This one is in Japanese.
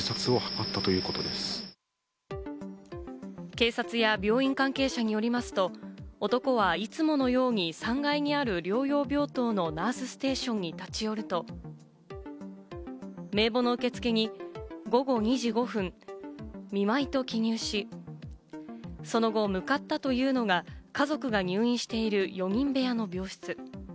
警察や病院関係者によりますと、男は、いつものように３階にある療養病棟のナースステーションに立ち寄ると、名簿の受付に午後２時５分、見舞いと記入し、その後、向かったというのが、家族が入院している４人部屋の病室。